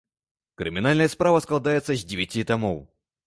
Крымінальная справа складаецца з дзевяці тамоў.